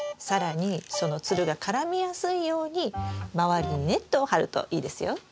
更にそのつるが絡みやすいように周りにネットを張るといいですよ。